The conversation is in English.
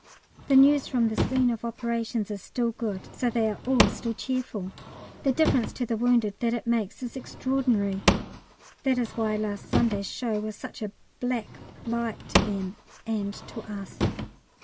The news from the "scene of operations" is still good, so they are all still cheerful. The difference to the wounded that makes is extraordinary. That is why last Sunday's show was such a black blight to them and to us.